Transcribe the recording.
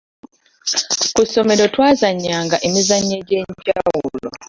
Ku ssomero twazannyanga emizannyo egy’enjawulo.